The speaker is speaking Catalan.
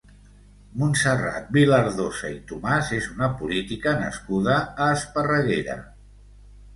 Montserrat Vilardosa i Tomàs és una política nascuda a Esparreguera.